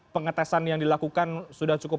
pengetesan yang dilakukan sudah cukup